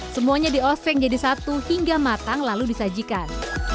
semuanya dioseng jadi satu hingga matang lalu disajikan